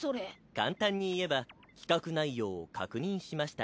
簡単に言えば「企画内容を確認しました。